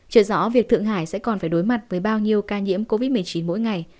chưa rõ việc thượng hải sẽ còn phải đối mặt với bao nhiêu ca nhiễm covid một mươi chín mỗi ngày